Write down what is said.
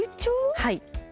はい。